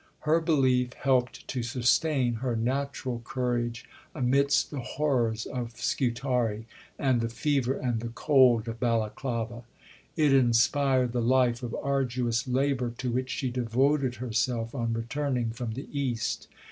Her belief helped to sustain her natural courage amidst the horrors of Scutari, and the fever and the cold of Balaclava. It inspired the life of arduous labour to which she devoted herself on returning from the East.